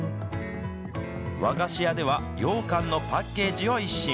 和菓子屋ではようかんのパッケージを一新。